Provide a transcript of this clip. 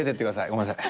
ごめんなさい。